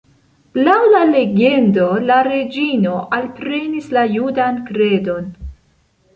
Laŭ la legendo, la reĝino alprenis la judan kredon.